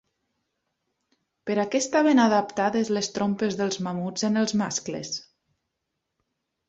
Per a què estaven adaptades les trompes dels mamuts en els mascles?